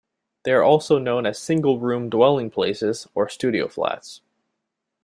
They are also known as single room dwelling places or studio flats.